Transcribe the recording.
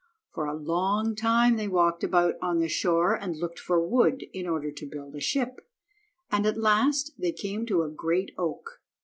For a long time they walked about on the shore and looked for wood, in order to build a ship, and at last they came to a great oak.